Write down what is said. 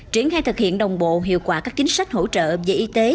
triển khai thực hiện đồng bộ hiệu quả các chính sách hỗ trợ về y tế